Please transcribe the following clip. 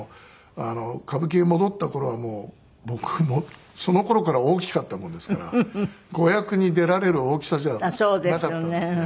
歌舞伎へ戻った頃はもう僕もうその頃から大きかったものですから子役に出られる大きさじゃなかったんですね。